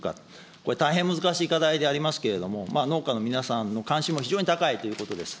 これ、大変難しい課題でありますけれども、農家の皆さんの関心も非常に高いということです。